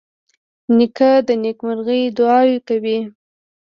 نیکه د نیکمرغۍ دعاوې کوي.